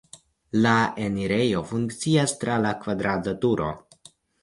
La enirejo funkcias tra la kvadrata turo.